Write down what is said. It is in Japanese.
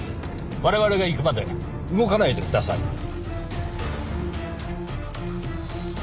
我々が行くまで動かないでください。